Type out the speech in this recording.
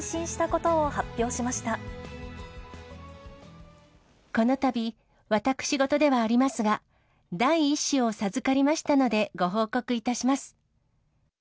このたび、私事ではありますが、第１子を授かりましたのでご報告いたします。